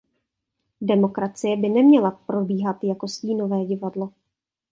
Demokracie by neměla probíhat jako stínové divadlo.